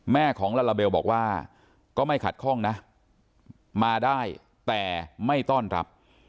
ของลาลาเบลบอกว่าก็ไม่ขัดข้องนะมาได้แต่ไม่ต้อนรับ